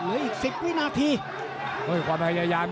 หรือว่าผู้สุดท้ายมีสิงคลอยวิทยาหมูสะพานใหม่